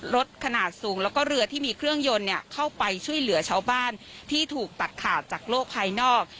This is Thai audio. รถขนาดสูงแล้วก็เรือที่มีเครื่องยนต์เข้าไปช่วยเหลือชาวบ้านที่ถูกตัดขาดจากโลกภายนอก